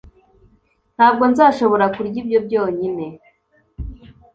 Ntabwo nzashobora kurya ibyo byonyine